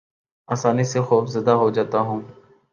آسانی سے خوف زدہ ہو جاتا ہوں